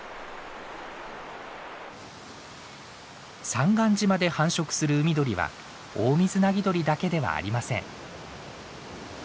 三貫島で繁殖する海鳥はオオミズナギドリだけではありません。